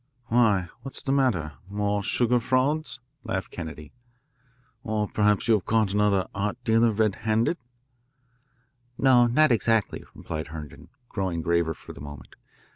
"Why, what's the matter more, sugar frauds?" laughed Kennedy. "Or perhaps you have caught another art dealer red handed?" "No, not exactly," replied Herndon, growing graver for the moment.